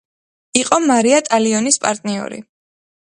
იყო მარია ტალიონის პარტნიორი.